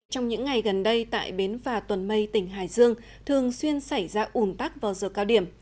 trong những ngày gần đây tại bến phà tuần mây tỉnh hải dương thường xuyên xảy ra ủn tắc vào giờ cao điểm